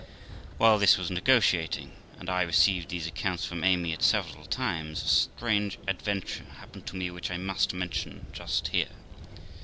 While this was negotiating, and I received these accounts from Amy at several times, a strange adventure happened to me which I must mention just here.